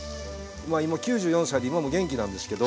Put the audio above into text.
今９４歳で今も元気なんですけど。